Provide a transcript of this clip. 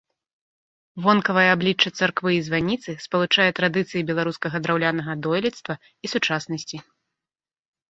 Вонкавае аблічча царквы і званіцы спалучае традыцыі беларускага драўлянага дойлідства і сучаснасці.